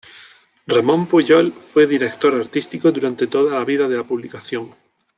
Ramón Puyol fue director artístico durante toda la vida de la publicación.